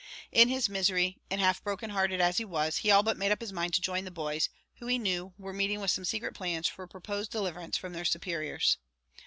In his misery, and half broken hearted as he was, he all but made up his mind to join the boys, who, he knew, were meeting with some secret plans for proposed deliverance from their superiors.